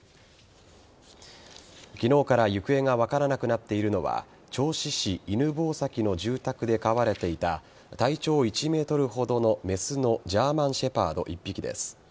昨日から行方が分からなくなっているのは銚子市犬吠埼の住宅で飼われていた体長１ｍほどの雌のジャーマンシェパード１匹です。